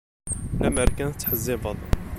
Lemmer kan tettḥezzibeḍ.